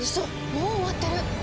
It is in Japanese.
もう終わってる！